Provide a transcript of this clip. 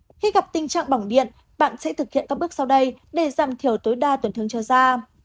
khi gặp tình trạng bỏng điện bạn sẽ thực hiện các bước sau đây để giảm thiểu tối đa tổn thương cho da